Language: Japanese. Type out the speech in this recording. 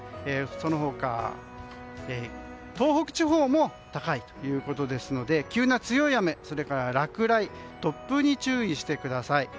その他、東北地方も高いということですので急な強い雨落雷、突風に注意してください。